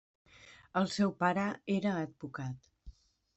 El seu pare era advocat.